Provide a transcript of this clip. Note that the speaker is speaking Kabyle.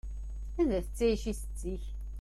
Anda i tettƐic setti-k?